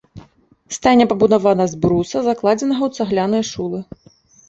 Стайня пабудавана з бруса, закладзенага ў цагляныя шулы.